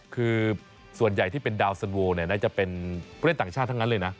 คือส่วนใหญ่ที่เป็นดาวสันโวลน่าจะเป็นผู้เล่นต่างชาติทั้งนั้นเลยนะ